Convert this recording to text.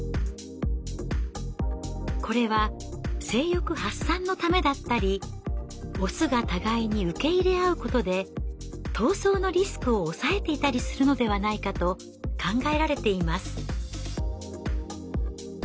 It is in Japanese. これは性欲発散のためだったりオスが互いに受け入れ合うことで闘争のリスクを抑えていたりするのではないかと考えられています。